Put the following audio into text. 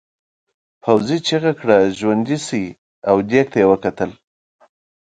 پوځي چیغه کړه ژوندي شئ او دېگ ته یې وکتل.